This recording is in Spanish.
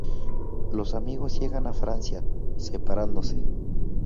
Los amigos llegan a Francia, separándose.